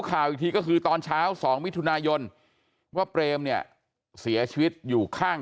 ข่าวอีกทีก็คือตอนเช้า๒มิถุนายนว่าเปรมเนี่ยเสียชีวิตอยู่ข้าง